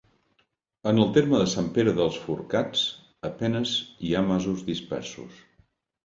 En el terme de Sant Pere dels Forcats a penes hi ha masos dispersos.